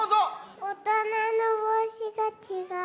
おとなのぼうしがちがう。